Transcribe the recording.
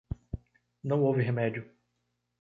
Não houve remédio.